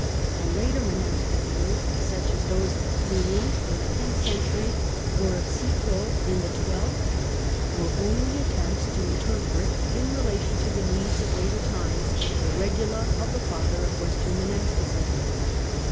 And later monastic rules, such as those of Cluny in the tenth century, or of Citeaux in the twelfth, were only attempts to inter pret, in relation to the needs of later times, the Regida of the Father of Western monasticism.